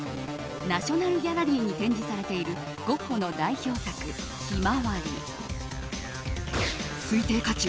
ナショナル・ギャラリーに展示されているゴッホの代表作「ひまわり」。推定価値